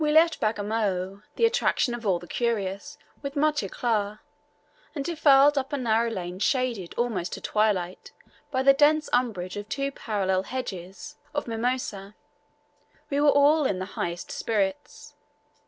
We left Bagamoyo the attraction of all the curious, with much eclat, and defiled up a narrow lane shaded almost to twilight by the dense umbrage of two parallel hedges of mimosas. We were all in the highest spirits.